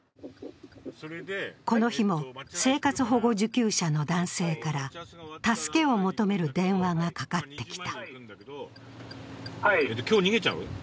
この日も、生活保護受給者の男性から助けを求める電話がかかってきた。